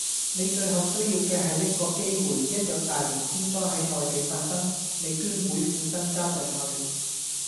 你最後需要既係一個機會，一有大型天災係內地發生，你捐會副身家上去